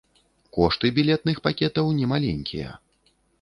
Кошты білетных пакетаў немаленькія.